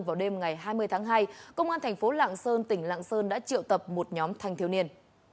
vào đêm ngày hai mươi tháng hai công an thành phố lạng sơn tỉnh lạng sơn đã triệu tập một nhóm thanh thiếu niên